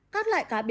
các loại cá béo